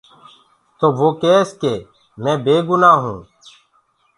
تو وو ڪيس ڪي مي بي گُنآ هونٚ۔